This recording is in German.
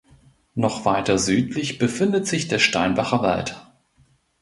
Noch weiter südlich befindet sich der Steinbacher Wald.